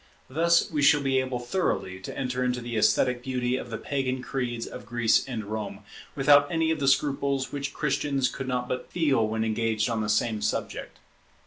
Thus we shall be able thoroughly to enter into the esthetic beauty of the Pagan creeds of Greece and Rome, without any of the scruples which Christians could not but feel when engaged on the same subject.